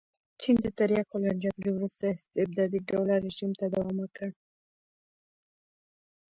چین د تریاکو له جګړې وروسته استبدادي ډوله رژیم ته دوام ورکړ.